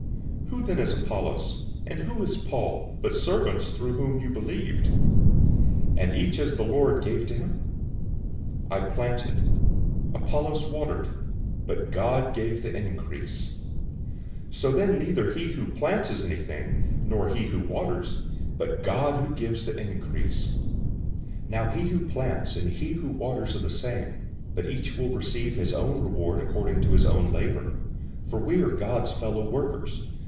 003:005 Who then is Apollos, and who is Paul, but servants through whom you believed; and each as the Lord gave to him? 003:006 I planted. Apollos watered. But God gave the increase. 003:007 So then neither he who plants is anything, nor he who waters, but God who gives the increase. 003:008 Now he who plants and he who waters are the same, but each will receive his own reward according to his own labor. 003:009 For we are God's fellow workers.